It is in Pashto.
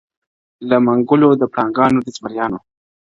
• له منګولو د پړانګانو د زمریانو -